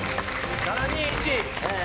「７２１！」